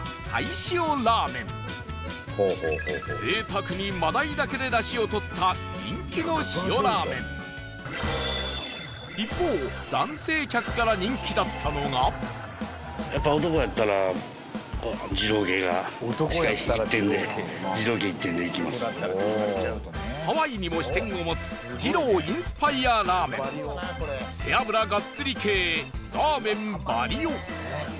贅沢に真鯛だけでダシをとった人気の塩ラーメン一方男性客から人気だったのがハワイにも支店を持つ二郎インスパイアラーメン背脂ガッツリ系らーめんバリ男